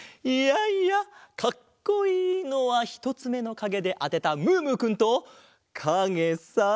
いやいやかっこいいのはひとつめのかげであてたムームーくんとかげさ。